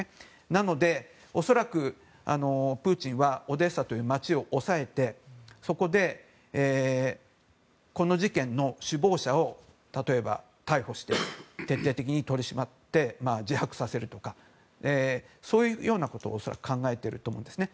なので、恐らくプーチンはオデーサという街を押さえてそこで、この事件の首謀者を例えば逮捕して徹底的に取り締まって自白させるとかそういうようなことを恐らく考えていると思うんですね。